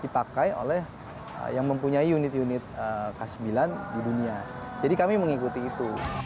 dipakai oleh yang mempunyai unit unit k sembilan di dunia jadi kami mengikuti itu